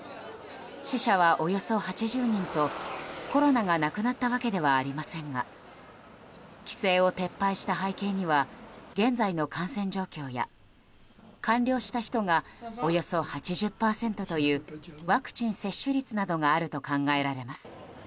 死者はおよそ８０人とコロナがなくなったわけではありませんが規制を撤廃した背景には現在の感染状況や完了した人がおよそ８０％というワクチン接種率などがあると考えられます。